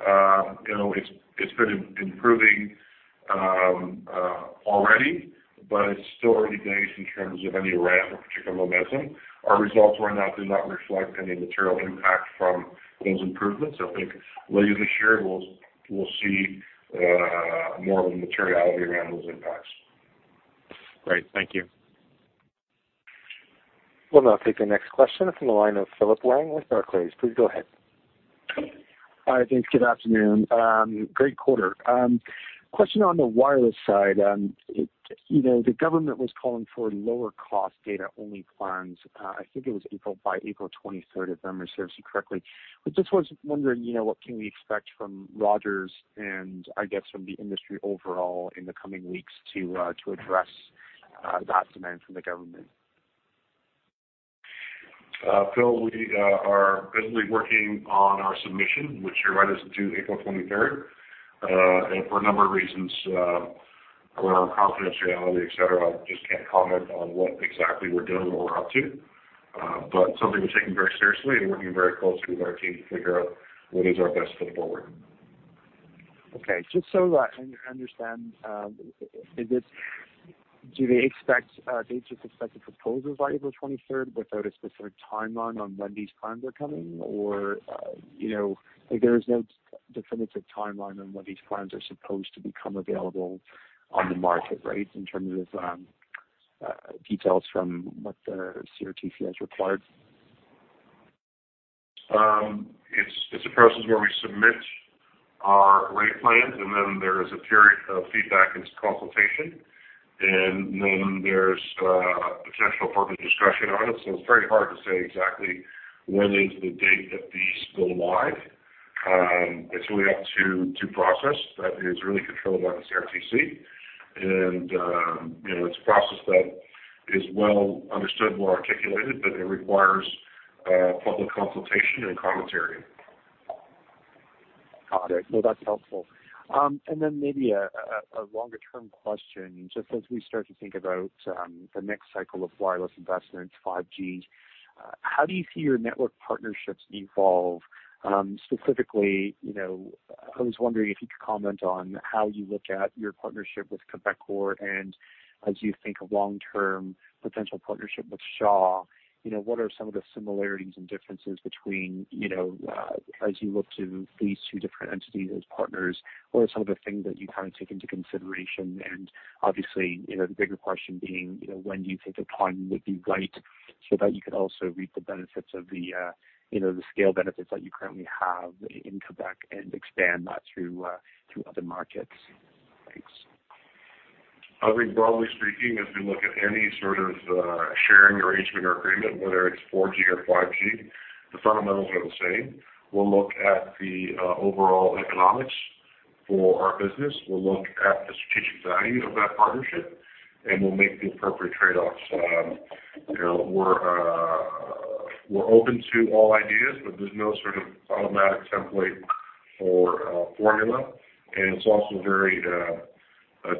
You know, it's been improving already, but it's still early days in terms of any ramp or particular momentum. Our results right now do not reflect any material impact from those improvements. I think later this year, we'll see more of the materiality around those impacts. Great, thank you. We'll now take the next question from the line of Phillip Huang with Barclays. Please go ahead. Hi, thanks. Good afternoon. Great quarter. Question on the wireless side. You know, the government was calling for lower cost data-only plans. I think it was April, by April 23rd, if I remember correctly. I just was wondering, you know, what can we expect from Rogers and I guess from the industry overall in the coming weeks to address that demand from the government? Phil, we are busily working on our submission, which you're right, is due April 23rd, and for a number of reasons, around confidentiality, et cetera, I just can't comment on what exactly we're doing or we're up to, but something we're taking very seriously and working very closely with our team to figure out what is our best foot forward. Okay, just so I understand, is this? Do they expect, they just expect the proposals by April 23rd without a specific timeline on when these plans are coming? Or, you know, like, there is no definitive timeline on when these plans are supposed to become available on the market, right, in terms of details from what the CRTC has required? It's a process where we submit our rate plans, and then there is a period of feedback and consultation, and then there's potential public discussion on it. So it's very hard to say exactly when is the date that these go live. It's really up to the process. That is really controlled by the CRTC, and you know, it's a process that is well understood, well articulated, but it requires public consultation and commentary. Got it. Well, that's helpful. And then maybe a longer-term question, just as we start to think about the next cycle of wireless investments, 5G, how do you see your network partnerships evolve? Specifically, you know, I was wondering if you could comment on how you look at your partnership with Quebecor and as you think of long-term potential partnership with Shaw, you know, what are some of the similarities and differences between, you know, as you look to these two different entities as partners, what are some of the things that you kind of take into consideration? Obviously, you know, the bigger question being, you know, when do you think the time would be right so that you can also reap the benefits of the, you know, the scale benefits that you currently have in Quebec and expand that to, to other markets? Thanks. I think broadly speaking, as we look at any sort of sharing arrangement or agreement, whether it's 4G or 5G, the fundamentals are the same. We'll look at the overall economics for our business. We'll look at the strategic value of that partnership, and we'll make the appropriate trade-offs. You know, we're open to all ideas, but there's no sort of automatic template or formula, and it's also very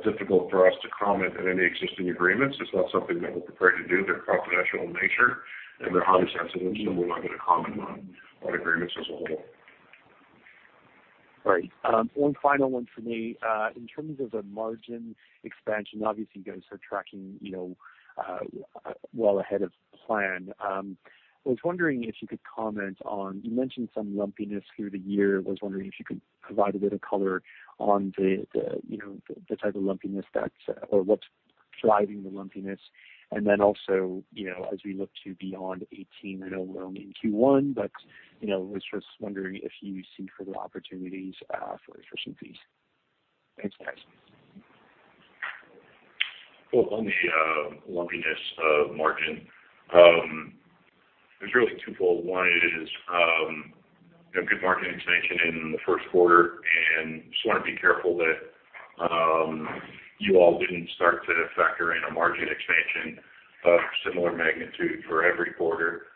difficult for us to comment on any existing agreements. It's not something that we're prepared to do. They're confidential in nature, and they're highly sensitive, so we're not going to comment on agreements as a whole. Great. One final one for me. In terms of the margin expansion, obviously, you guys are tracking, you know, well ahead of plan. I was wondering if you could comment on, you mentioned some lumpiness through the year. I was wondering if you could provide a bit of color on the, you know, the type of lumpiness that's, or what's driving the lumpiness. And then also, you know, as we look to beyond eighteen, I know we're only in Q1, but, you know, I was just wondering if you see further opportunities, for efficiencies. Thanks, guys. On the lumpiness of margin, it's really twofold. One is, you know, good margin expansion in the first quarter, and just wanna be careful that, you all didn't start to factor in a margin expansion of similar magnitude for every quarter.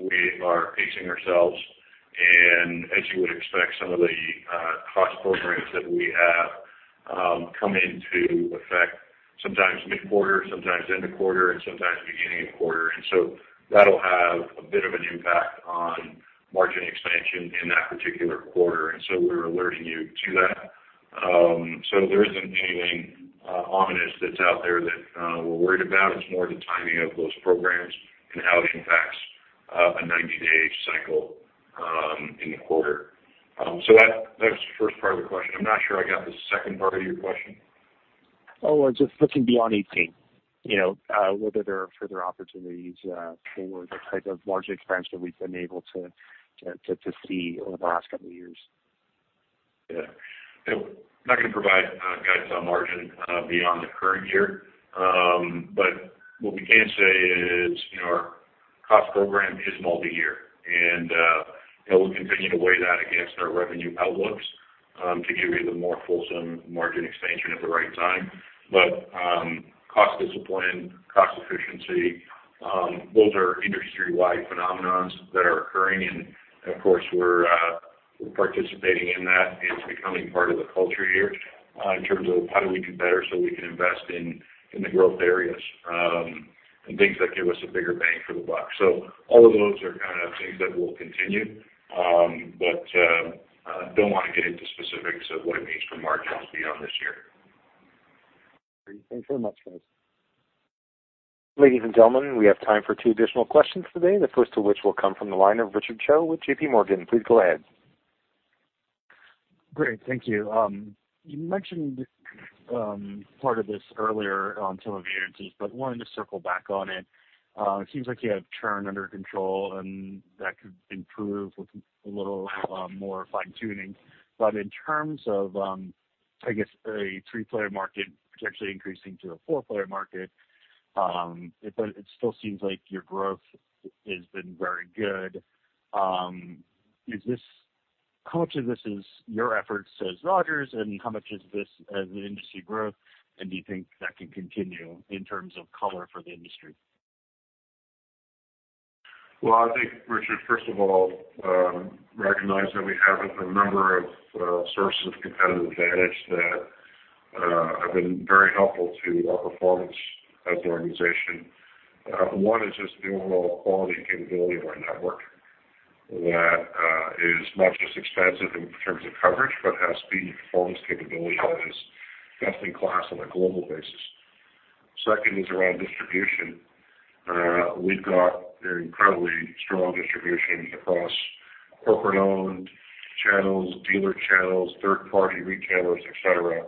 We are pacing ourselves, and as you would expect, some of the cost programs that we have come into effect, sometimes mid-quarter, sometimes end of quarter, and sometimes beginning of quarter. That'll have a bit of an impact on margin expansion in that particular quarter, and so we're alerting you to that. So there isn't anything ominous that's out there that we're worried about. It's more the timing of those programs and how it impacts a ninety-day cycle in the quarter. So that, that's the first part of the question. I'm not sure I got the second part of your question. Oh, just looking beyond 18, you know, whether there are further opportunities for the type of margin expansion we've been able to see over the last couple of years. Yeah. I'm not gonna provide guidance on margin beyond the current year. But what we can say is, you know, our cost program is multi-year, and we'll continue to weigh that against our revenue outlooks to give you the more fulsome margin expansion at the right time. But cost discipline, cost efficiency, those are industry-wide phenomena that are occurring, and of course, we're participating in that. It's becoming part of the culture here in terms of how do we do better so we can invest in the growth areas and things that give us a bigger bang for the buck. So all of those are kind of things that will continue, but I don't wanna get into specifics of what it means for margins beyond this year. Thanks very much, guys. Ladies and gentlemen, we have time for two additional questions today, the first of which will come from the line of Richard Choe with JP Morgan. Please go ahead. Great. Thank you. You mentioned part of this earlier on some of the answers, but wanted to circle back on it. It seems like you have churn under control, and that could improve with a little more fine-tuning. But in terms of, I guess, a three-player market potentially increasing to a four-player market, but it still seems like your growth has been very good. Is this how much of this is your efforts as Rogers and how much is this as an industry growth? And do you think that can continue in terms of color for the industry? I think, Richard, first of all, recognize that we have a number of sources of competitive advantage that have been very helpful to our performance as an organization. One is just the overall quality and capability of our network that is not just expansive in terms of coverage, but has speed and performance capability that is best in class on a global basis. Second is around distribution. We've got an incredibly strong distribution across corporate-owned channels, dealer channels, third-party retailers, et cetera.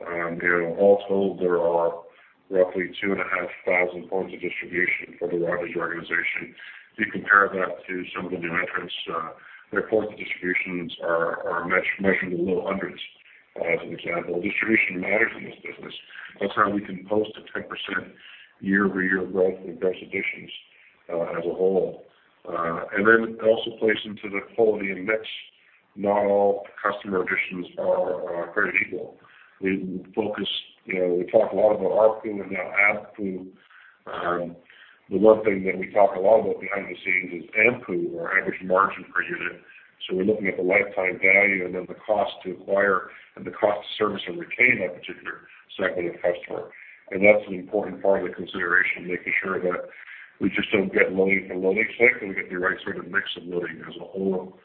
You know, all told, there are roughly 2,500 points of distribution for the Rogers organization. You compare that to some of the new entrants, their points of distribution are measured in the low hundreds, as an example. Distribution matters in this business. That's how we can post a 10% year-over-year growth in gross additions, as a whole, and then also plays into the quality and mix, not all customer additions are created equal. We focus, you know, we talk a lot about ARPU and now ABPU. The one thing that we talk a lot about behind the scenes is AMPU, or average margin per unit. So we're looking at the lifetime value and then the cost to acquire and the cost to service and retain that particular segment of customer, and that's an important part of the consideration, making sure that we just don't get loading for loading's sake, but we get the right sort of mix of loading as a whole.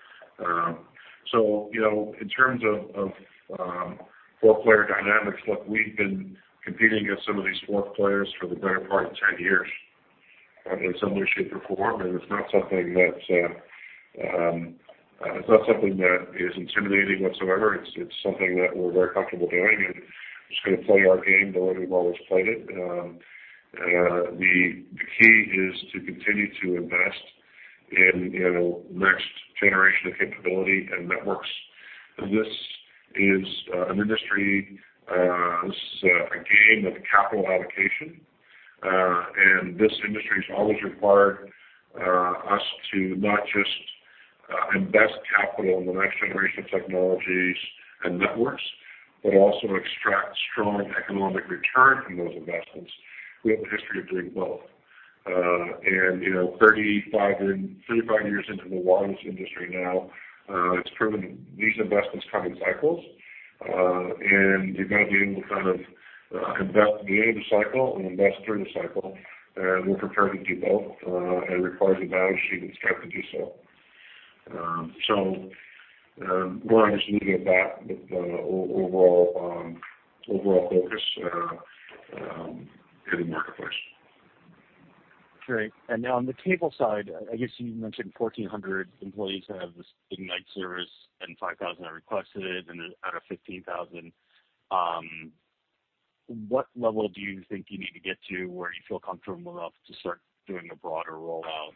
So, you know, in terms of four-player dynamics, look, we've been competing against some of these four players for the better part of ten years, in some way, shape, or form, and it's not something that is intimidating whatsoever. It's something that we're very comfortable doing, and just gonna play our game the way we've always played it. The key is to continue to invest in, you know, next generation of capability and networks. This is an industry, a game of capital allocation, and this industry has always required us to not just invest capital in the next generation of technologies and networks, but also extract strong economic return from those investments. We have a history of doing both. And, you know, 35 years into the wireless industry now, it's proven these investments come in cycles, and you've got to be able to kind of invest at the end of the cycle and invest through the cycle, and we're prepared to do both, and requires a balance sheet and strength to do so. So more I just leave it at that, but overall focus in the marketplace. Great. And now on the cable side, I guess you mentioned 1,400 employees have the Ignite service, and 5,000 have requested it, and out of 15,000. What level do you think you need to get to where you feel comfortable enough to start doing a broader rollout,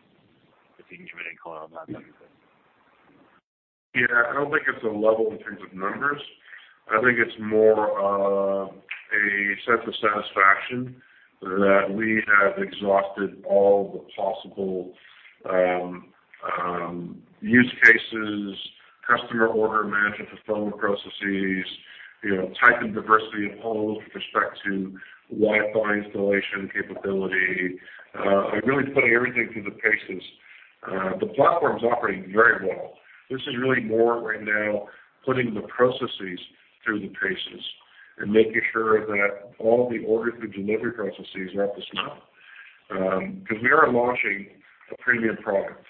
if you can give any color on that, that'd be great. Yeah, I don't think it's a level in terms of numbers. I think it's more of a sense of satisfaction that we have exhausted all the possible use cases, customer order management fulfillment processes, you know, type and diversity of homes with respect to Wi-Fi installation capability, and really putting everything through the paces. The platform's operating very well. This is really more right now, putting the processes through the paces and making sure that all the order to delivery processes are up to snuff. Because we are launching a premium product,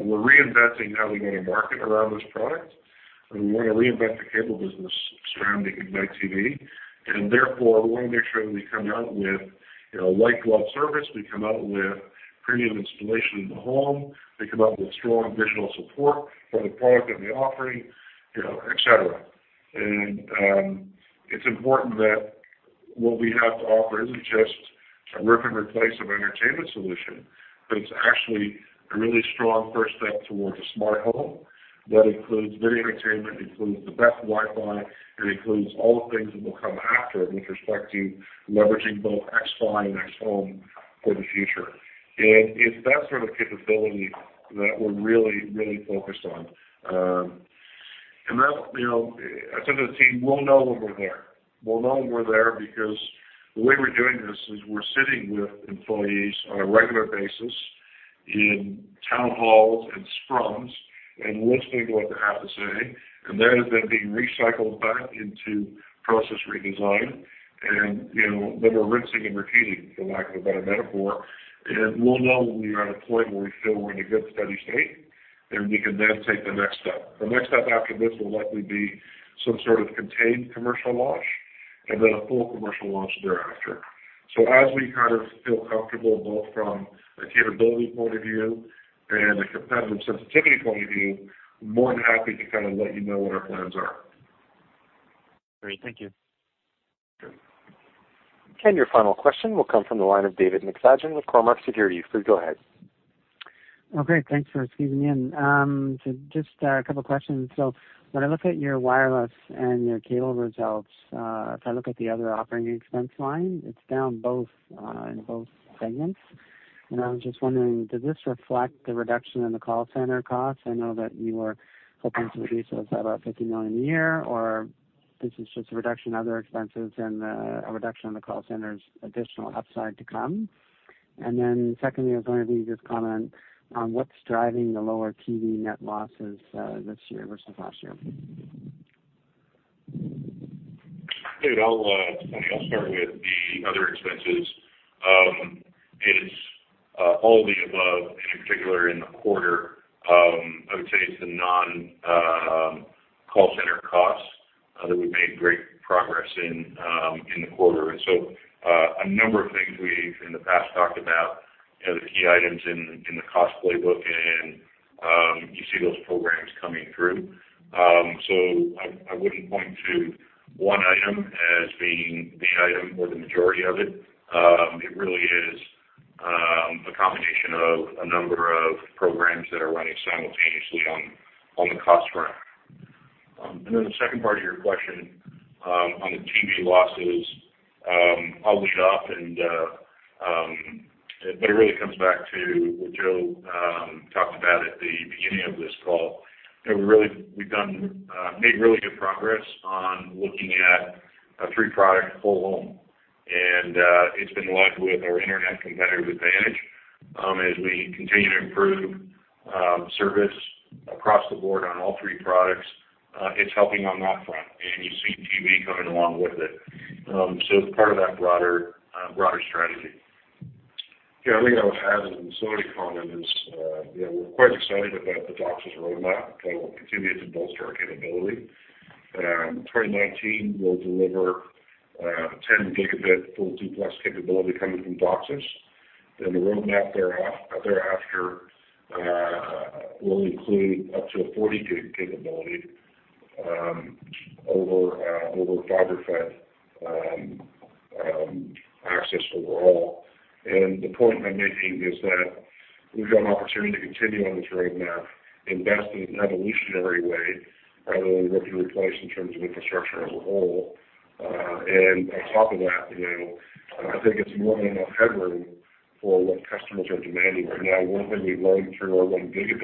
we're reinventing how we go to market around this product, and we want to reinvent the cable business surrounding Ignite TV. And therefore, we want to make sure that we come out with, you know, a white glove service. We come out with premium installation in the home. We come out with strong digital support for the product and the offering, you know, et cetera. It's important that what we have to offer isn't just a rip and replace of entertainment solution, but it's actually a really strong first step towards a smart home. That includes video entertainment, includes the best Wi-Fi, and includes all the things that will come after it with respect to leveraging both xFi and XHome for the future. It's that sort of capability that we're really, really focused on. You know, I said to the team, we'll know when we're there. We'll know when we're there because the way we're doing this is we're sitting with employees on a regular basis in town halls and scrums and listening to what they have to say, and that is then being recycled back into process redesign. And, you know, then we're rinsing and repeating, for lack of a better metaphor, and we'll know when we are at a point where we feel we're in a good, steady state, and we can then take the next step. The next step after this will likely be some sort of contained commercial launch, and then a full commercial launch thereafter. So as we kind of feel comfortable, both from a capability point of view and a competitive sensitivity point of view, more than happy to kind of let you know what our plans are. Great. Thank you. Sure. Your final question will come from the line of David McFadgen with Cormark Securities. Please go ahead. Okay, thanks for squeezing me in. So just a couple questions. So when I look at your wireless and your cable results, if I look at the other operating expense line, it's down both in both segments. And I was just wondering, does this reflect the reduction in the call center costs? I know that you were hoping to reduce those by about 50 million a year, or this is just a reduction in other expenses and a reduction in the call center's additional upside to come. And then secondly, I was wondering if you could just comment on what's driving the lower TV net losses this year versus last year? David, I'll, Tony, I'll start with the other expenses. It's all of the above, in particular in the quarter. I would say it's the non call center costs that we've made great progress in in the quarter. And so, a number of things we've in the past talked about, you know, the key items in in the cost playbook, and you see those programs coming through. So I wouldn't point to one item as being the item or the majority of it. It really is a combination of a number of programs that are running simultaneously on the cost front, and then the second part of your question on the TV losses. I'll leave it off, but it really comes back to what Joe talked about at the beginning of this call. You know, we've made really good progress on looking at a three-product whole home, and it's been led with our internet competitive advantage. As we continue to improve service across the board on all three products, it's helping on that front, and you see TV coming along with it, so part of that broader strategy. Yeah, I think I would add in the facility column is, you know, we're quite excited about the DOCSIS roadmap that will continue to bolster our capability. 2019, we'll deliver 10 Gb full-duplex capability coming from DOCSIS. Then the roadmap thereafter will include up to a 40 gig capability over fiber-fed access overall. And the point I'm making is that we've got an opportunity to continue on this roadmap, invest in an evolutionary way, rather than what we replace in terms of infrastructure as a whole. And on top of that, you know, I think it's more than enough headroom for what customers are demanding right now. One thing we've learned through our 1 Gb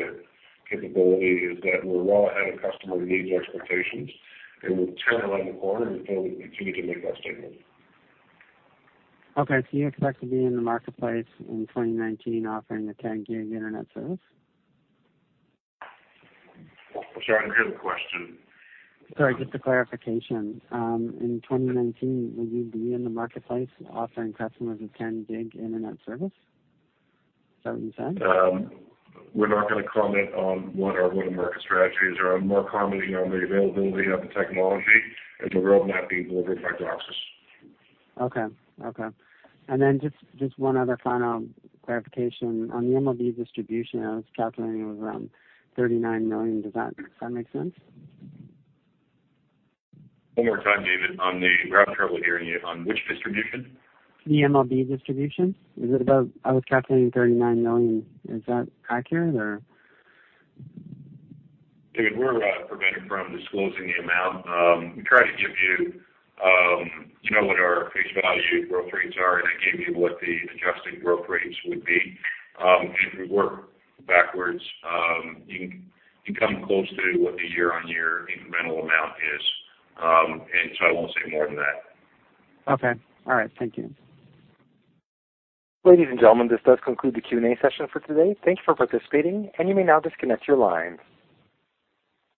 capability is that we're well ahead of customer needs expectations, and we'll turn around the corner and we'll continue to make that statement. Okay, so you expect to be in the marketplace in 2019, offering a 10 gig internet service? I'm sorry, I didn't hear the question. Sorry, just a clarification. In 2019, will you be in the marketplace offering customers a 10 gig internet service? Is that what you said? We're not gonna comment on what our go-to-market strategy is, or I'm more commenting on the availability of the technology and the roadmap being delivered by DOCSIS. Okay. And then just one other final clarification. On the MLB distribution, I was calculating it was around 39 million. Does that make sense? One more time, David, on the... We're having trouble hearing you. On which distribution? The MLB distribution. Is it about? I was calculating 39 million. Is that accurate, or? David, we're prevented from disclosing the amount. We try to give you, you know, what our face value growth rates are, and I gave you what the adjusted growth rates would be. If we work backwards, you can come close to what the year-on-year incremental amount is. And so I won't say more than that. Okay. All right. Thank you. Ladies and gentlemen, this does conclude the Q&A session for today. Thank you for participating, and you may now disconnect your lines.